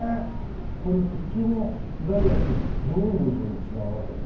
これ普通のダイヤとどういうふうに違うわけ？